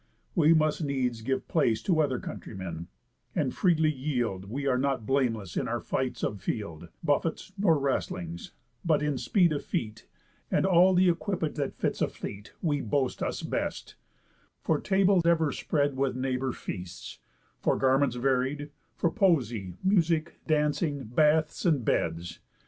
We must needs give place To other countrymen, and freely yield We are not blameless in our fights of field, Buffets, nor wrastlings; but in speed of feet, And all the equipage that fits a fleet, We boast us best; for table ever spread With neighbour feasts, for garments varied, For poesy, music, dancing, baths, and beds.